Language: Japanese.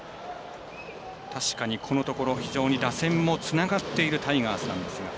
確かにこのところ非常に打線もつながっているタイガースなんですが。